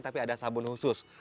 tapi ada sabun khusus